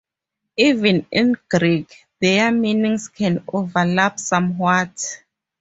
Even in Greek, their meanings can overlap somewhat.